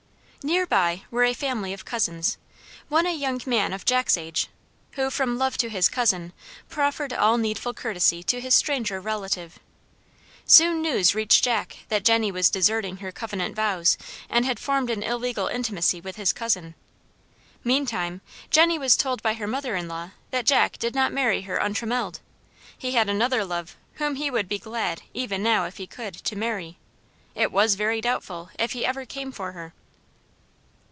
Near by were a family of cousins, one a young man of Jack's age, who, from love to his cousin, proffered all needful courtesy to his stranger relative. Soon news reached Jack that Jenny was deserting her covenant vows, and had formed an illegal intimacy with his cousin. Meantime Jenny was told by her mother inlaw that Jack did not marry her untrammelled. He had another love whom he would be glad, even now, if he could, to marry. It was very doubtful if he ever came for her.